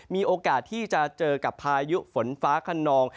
มีโอกาสที่จะเจอกับพายุฝนฟ้าขนอง